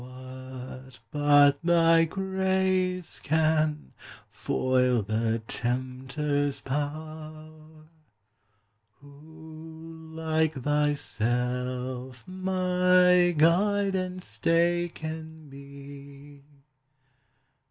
What but thy grace can foil the Tempter's power? Who like thyself my guide and stay can be?